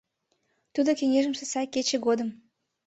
Тудо кеҥежымсе сай кече годым